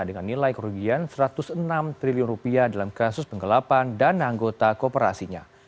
dengan nilai kerugian rp satu ratus enam triliun dalam kasus penggelapan dan anggota koperasinya